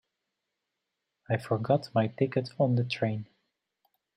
I forgot my ticket on the train.